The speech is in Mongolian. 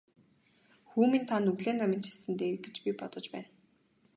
Хүү минь та нүглээ наманчилсан нь дээр гэж би бодож байна.